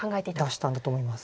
出したんだと思います。